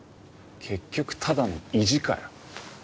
結局ただの意地かよ。